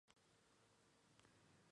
Xander quiere un nuevo lugar para vivir.